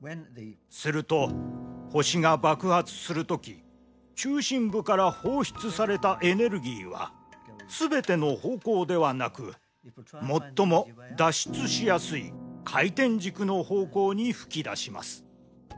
すると星が爆発するとき中心部から放出されたエネルギーはすべての方向ではなく最も脱出しやすい回転軸の方向に噴き出します。